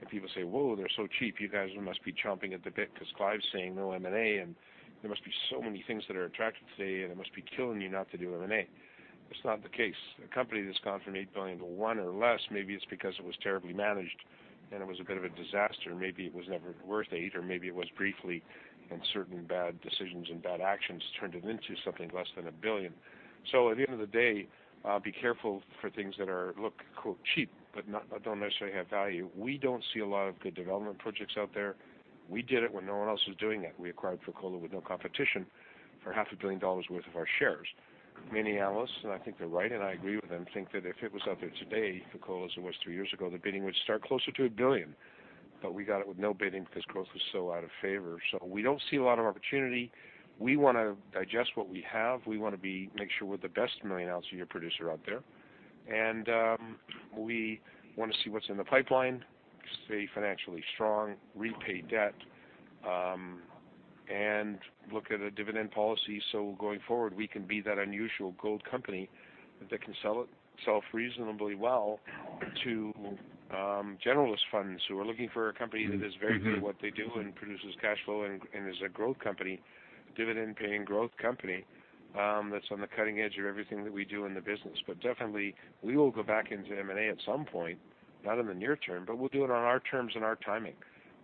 and people say, "Whoa, they're so cheap, you guys must be chomping at the bit because Clive's saying no M&A, and there must be so many things that are attractive today, and it must be killing you not to do M&A." That's not the case. A company that's gone from $8 billion to $1 billion or less, maybe it's because it was terribly managed, and it was a bit of a disaster. Maybe it was never worth $8 billion, or maybe it was briefly, and certain bad decisions and bad actions turned it into something less than $1 billion. At the end of the day, be careful for things that look, quote, "cheap" but don't necessarily have value. We don't see a lot of good development projects out there. We did it when no one else was doing it. We acquired Fekola with no competition for half a billion dollars worth of our shares. Many analysts, and I think they're right, and I agree with them, think that if it was out there today, Fekola, as it was three years ago, the bidding would start closer to $1 billion. We got it with no bidding because growth was so out of favor. We don't see a lot of opportunity. We want to digest what we have. We want to make sure we're the best million-ounce a year producer out there. We want to see what's in the pipeline, stay financially strong, repay debt, and look at a dividend policy so going forward, we can be that unusual gold company that can sell reasonably well to generalist funds who are looking for a company that is very good at what they do and produces cash flow and is a growth company, dividend-paying growth company, that's on the cutting edge of everything that we do in the business. Definitely, we will go back into M&A at some point, not in the near term, but we'll do it on our terms and our timing.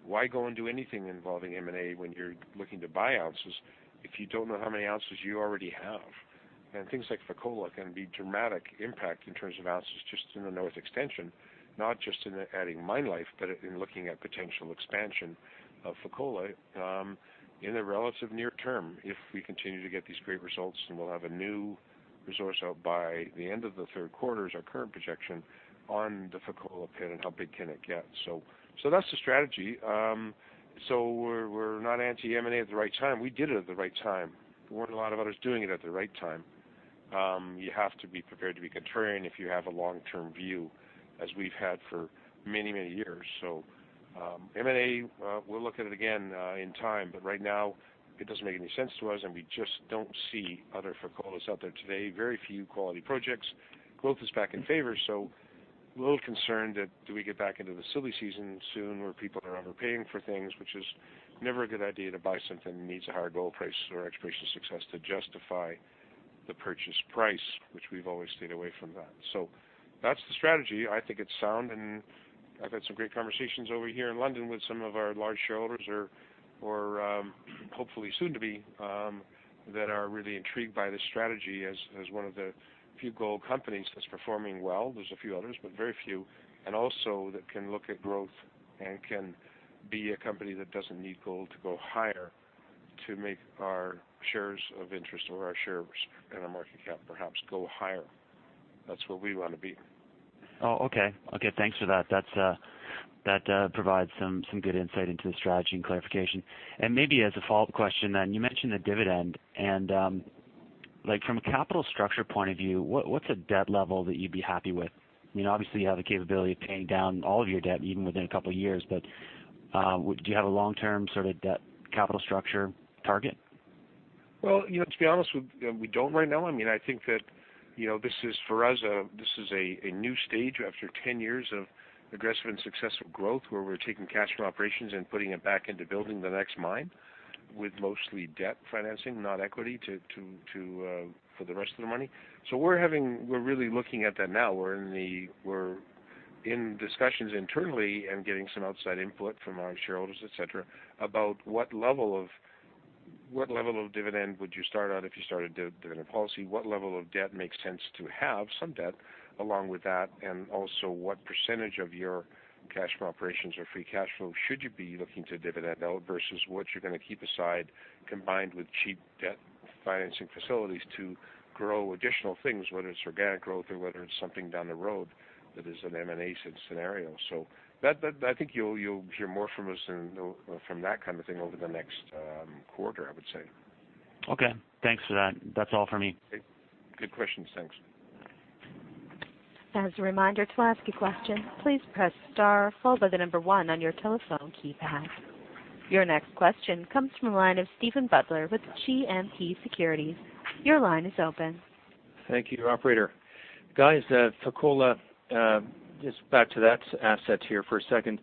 Why go and do anything involving M&A when you're looking to buy ounces if you don't know how many ounces you already have? Things like Fekola can be dramatic impact in terms of ounces just in the north extension, not just in adding mine life, but in looking at potential expansion of Fekola in the relative near term if we continue to get these great results, and we'll have a new resource out by the end of the third quarter is our current projection on the Fekola pit and how big can it get. That's the strategy. We're not anti-M&A at the right time. We did it at the right time. There weren't a lot of others doing it at the right time. You have to be prepared to be contrarian if you have a long-term view, as we've had for many years. M&A, we'll look at it again in time, but right now it doesn't make any sense to us, and we just don't see other Fekolas out there today. Very few quality projects. Growth is back in favor, so a little concerned that do we get back into the silly season soon where people are overpaying for things, which is never a good idea to buy something that needs a higher gold price or exploration success to justify the purchase price, which we've always stayed away from that. That's the strategy. I think it's sound, and I've had some great conversations over here in London with some of our large shareholders, or hopefully soon to be, that are really intrigued by this strategy as one of the few gold companies that's performing well. There's a few others, but very few, and also that can look at growth and can be a company that doesn't need gold to go higher to make our shares of interest or our shares and our market cap perhaps go higher. That's what we want to be. Thanks for that. That provides some good insight into the strategy and clarification. Maybe as a follow-up question then, you mentioned the dividend, and from a capital structure point of view, what's a debt level that you'd be happy with? Obviously, you have the capability of paying down all of your debt even within a couple of years, but do you have a long-term sort of debt capital structure target? To be honest, we don't right now. I think that for us, this is a new stage after 10 years of aggressive and successful growth where we're taking cash from operations and putting it back into building the next mine with mostly debt financing, not equity for the rest of the money. We're really looking at that now. We're in discussions internally and getting some outside input from our shareholders, et cetera, about what level of dividend would you start out if you started a dividend policy? What level of debt makes sense to have some debt along with that? Also what percentage of your cash from operations or free cash flow should you be looking to dividend out versus what you're going to keep aside combined with cheap debt financing facilities to grow additional things, whether it's organic growth or whether it's something down the road that is an M&A scenario. I think you'll hear more from us from that kind of thing over the next quarter, I would say. Thanks for that. That's all for me. Good questions. Thanks. As a reminder, to ask a question, please press star followed by the number one on your telephone keypad. Your next question comes from the line of Steven Butler with GMP Securities. Your line is open. Thank you, operator. Guys, Fekola, just back to that asset here for a second.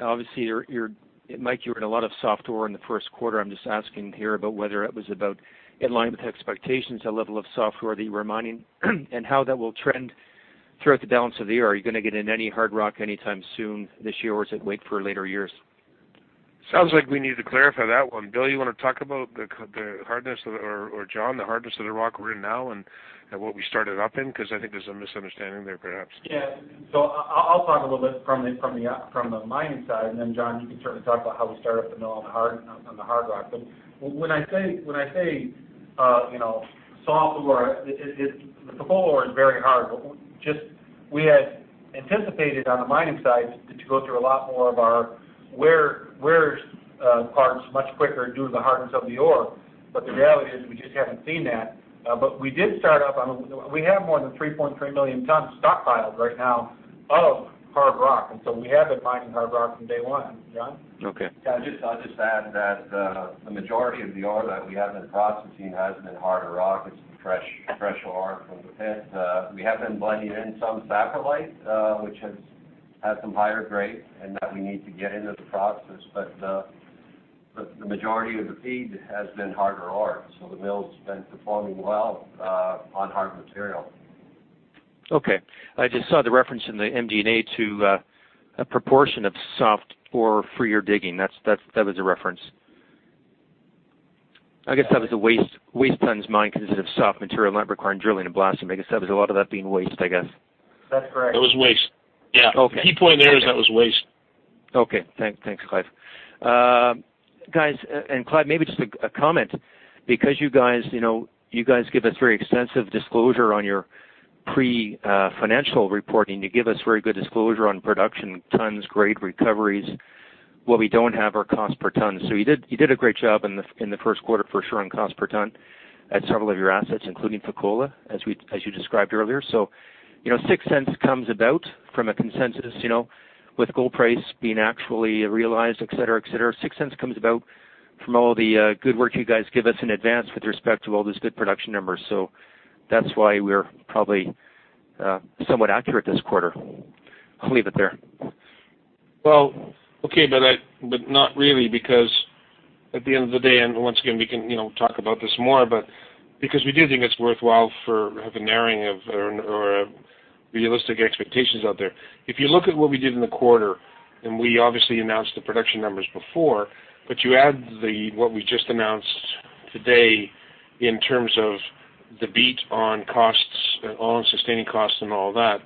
Obviously, Mike, you're in a lot of soft ore in the first quarter. I'm just asking here about whether it was about in line with expectations, the level of soft ore that you were mining and how that will trend throughout the balance of the year. Are you going to get in any hard rock anytime soon this year, or is it wait for later years? Sounds like we need to clarify that one. Bill, you want to talk about the hardness, or John, the hardness of the rock we're in now and what we started up in? I think there's a misunderstanding there, perhaps. I'll talk a little bit from the mining side, then John, you can certainly talk about how we started up the mill on the hard rock. When I say soft ore, the Fekola ore is very hard, we had anticipated on the mining side to go through a lot more of our wear parts much quicker due to the hardness of the ore. The reality is we just haven't seen that. We have more than 3.3 million tons stockpiled right now of hard rock, so we have been mining hard rock from day one. John? Okay. I'll just add that the majority of the ore that we have been processing has been harder rock. It's fresh ore from the pit. We have been blending in some saprolite, which has had some higher grades and that we need to get into the process. The majority of the feed has been harder ore, the mill's been performing well on hard material. I just saw the reference in the MD&A to a proportion of soft ore free or digging. That was a reference. I guess that was a waste tons mined, because it was soft material not requiring drilling and blasting. I guess that was a lot of that being waste, I guess. That's correct. That was waste. Yeah. Okay. Key point there is that was waste. Okay. Thanks, Clive. Guys, Clive, maybe just a comment because you guys give us very extensive disclosure on your pre-financial reporting. You give us very good disclosure on production tonnes, grade recoveries. What we don't have are cost per tonne. You did a great job in the first quarter, for sure, on cost per tonne at several of your assets, including Fekola, as you described earlier. $0.06 comes about from a consensus with gold price being actually realized, et cetera. $0.06 comes about from all the good work you guys give us in advance with respect to all those good production numbers. That's why we're probably somewhat accurate this quarter. I'll leave it there. Okay, but not really because at the end of the day, and once again, we can talk about this more, but because we do think it's worthwhile for having narrowing of or realistic expectations out there. If you look at what we did in the quarter, and we obviously announced the production numbers before, but you add what we just announced today in terms of the beat on costs, on sustaining costs and all that,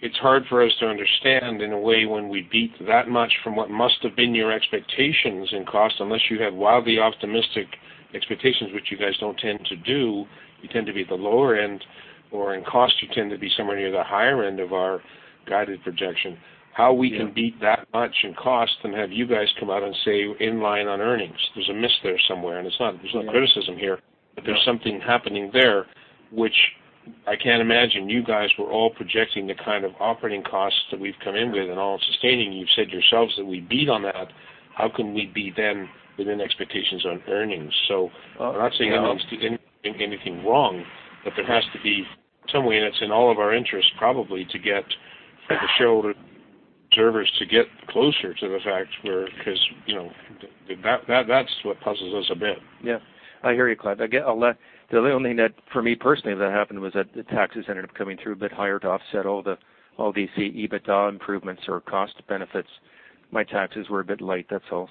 it's hard for us to understand, in a way, when we beat that much from what must have been your expectations in cost, unless you had wildly optimistic expectations, which you guys don't tend to do. You tend to be at the lower end, or in cost, you tend to be somewhere near the higher end of our guided projection. How we can beat that much in cost and have you guys come out and say you're in line on earnings, there's a miss there somewhere. There's no criticism here. No. There's something happening there, which I can't imagine you guys were all projecting the kind of operating costs that we've come in with and all sustaining. You've said yourselves that we beat on that. How can we be then within expectations on earnings? I'm not saying anyone's doing anything wrong, there has to be some way, and it's in all of our interests probably, to get, for the shareholders to get closer to the fact where. That's what puzzles us a bit. Yeah. I hear you, Clive. The only thing that, for me personally, that happened was that the taxes ended up coming through a bit higher to offset all these EBITDA improvements or cost benefits. My taxes were a bit light, that's all.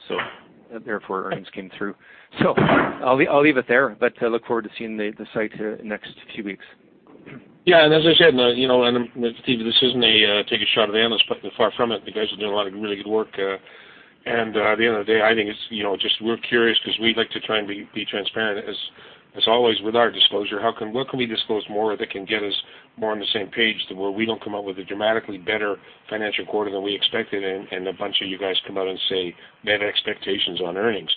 Therefore, earnings came through. I'll leave it there, I look forward to seeing the site here next few weeks. Yeah, as I said, Steven, this isn't a take a shot at the analysts, far from it. The guys are doing a lot of really good work. At the end of the day, I think it's just we're curious because we'd like to try and be transparent as always with our disclosure. What can we disclose more that can get us more on the same page to where we don't come out with a dramatically better financial quarter than we expected and a bunch of you guys come out and say, "Met expectations on earnings."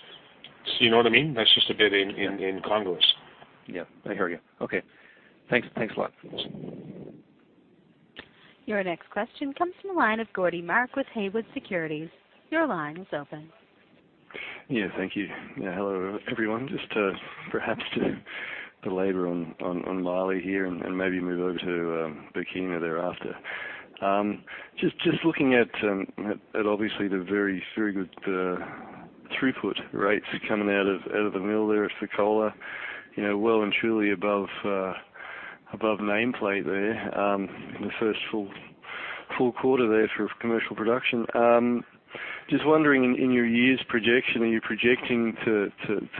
You know what I mean? That's just a bit incongruous. Yeah. I hear you. Okay. Thanks a lot. Your next question comes from the line of Geordie Mark with Haywood Securities. Your line is open. Yeah, thank you. Hello, everyone. Just to perhaps to labor on Mali here and maybe move over to Burkina thereafter. Just looking at obviously the very, very good throughput rates coming out of the mill there at Fekola, well and truly above nameplate there, in the first full quarter there for commercial production. Just wondering, in your years projection, are you projecting to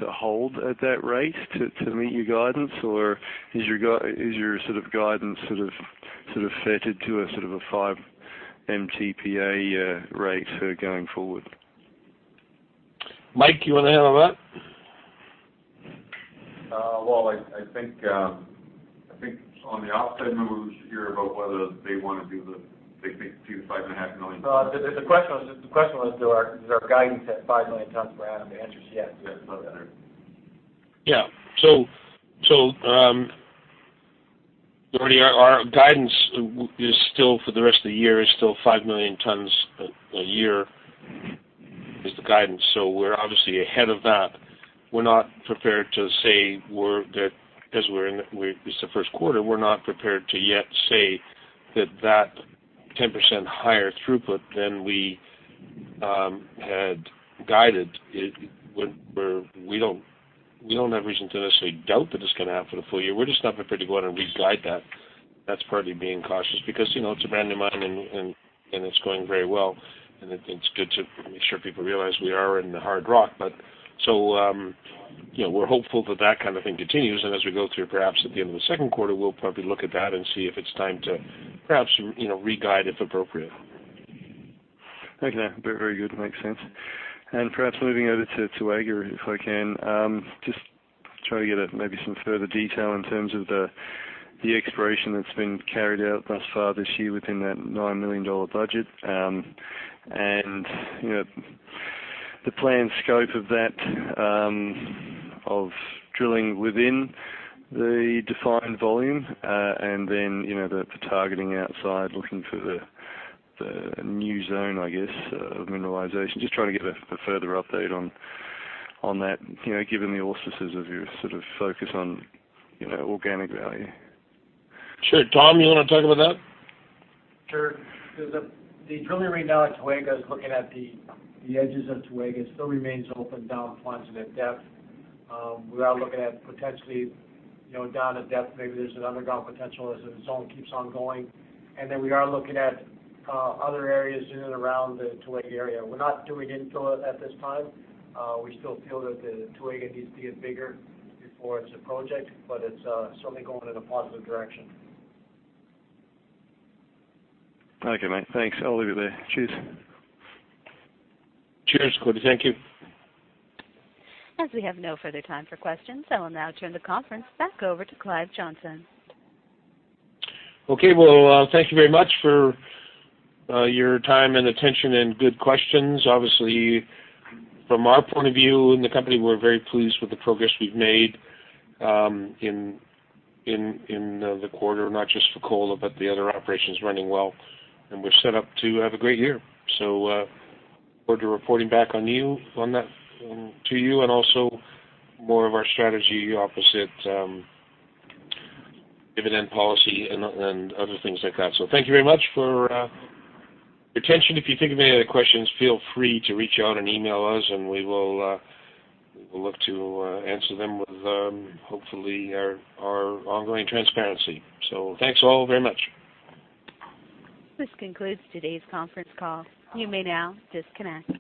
hold at that rate to meet your guidance, or is your sort of guidance sort of fettered to a sort of a five MTPA rate going forward? Mike, you want to handle that? Well, I think on the [offset, we were just hear about whether they want to do the, they think $2 million to five and a half million.] The question was is our guidance at five million tons per annum? The answer is yes. Yes. No. Yeah. Geordie, our guidance for the rest of the year is still five million tons a year, is the guidance. We're obviously ahead of that. We're not prepared to say that, as it's the first quarter, we're not prepared to yet say that 10% higher throughput than we had guided. We don't have reason to necessarily doubt that it's going to happen for the full year. We're just not prepared to go out and re-guide that. That's partly being cautious because it's a brand new mine, and it's going very well, and it's good to make sure people realize we are in the hard rock. We're hopeful that that kind of thing continues, and as we go through, perhaps at the end of the second quarter, we'll probably look at that and see if it's time to perhaps re-guide, if appropriate. Okay. Very good. Makes sense. Perhaps moving over to Toega, if I can, just try to get maybe some further detail in terms of the exploration that's been carried out thus far this year within that $9 million budget. The planned scope of that, of drilling within the defined volume, and then the targeting outside, looking for the new zone, I guess, of mineralization. Just trying to get a further update on that, given the auspices of your focus on organic value. Sure. Tom, you want to talk about that? Sure. The drilling right now at Toega is looking at the edges of Toega. It still remains open down plunge and at depth. We are looking at potentially down at depth, maybe there's an underground potential as the zone keeps on going. Then we are looking at other areas in and around the Toega area. We're not doing infill at this time. We still feel that Toega needs to get bigger before it's a project, but it's certainly going in a positive direction. Okay, mate. Thanks. I'll leave it there. Cheers. Cheers, Gordon. Thank you. As we have no further time for questions, I will now turn the conference back over to Clive Johnson. Okay, well, thank you very much for your time and attention and good questions. Obviously, from our point of view in the company, we're very pleased with the progress we've made in the quarter, not just Fekola, but the other operations running well. We're set up to have a great year. Look to reporting back on that to you and also more of our strategy opposite dividend policy and other things like that. Thank you very much for your attention. If you think of any other questions, feel free to reach out and email us and we will look to answer them with, hopefully, our ongoing transparency. Thanks all very much. This concludes today's conference call. You may now disconnect.